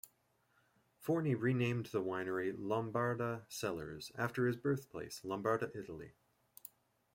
Forni renamed the winery Lombarda Cellars after his birthplace; Lombarda Italy.